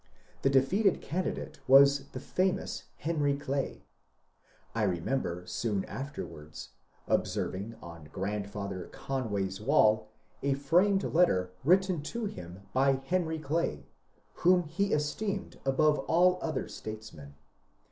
The defeated candidate was the famous Henry Clay. I remember soon afterwards observing on grandfather Conway's wall a framed letter written to him by Henry Clay, whom he esteemed above all other statesmen.